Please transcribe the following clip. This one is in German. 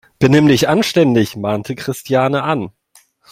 "Benimm dich anständig!", mahnte Christiane an.